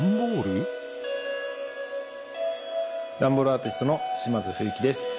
アーティストの島津冬樹です。